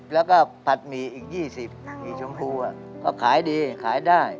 แล้วก็ผัดหมี่อีก๒๐หมี่ชมพูก็ขายดีขายได้